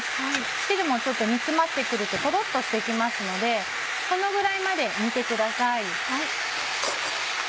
汁もちょっと煮詰まって来るとトロっとして来ますのでこのぐらいまで煮てください。